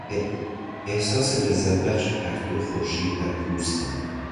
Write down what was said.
احساس لذتبخش پرتو خورشید بر پوستم